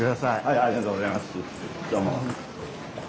ありがとうございますどうも。